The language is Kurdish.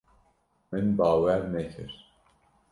Min bawer nekir.